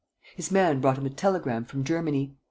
His man brought him a telegram from Germany.